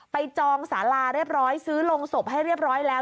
จองสาราเรียบร้อยซื้อลงศพให้เรียบร้อยแล้ว